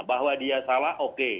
bahwa dia salah oke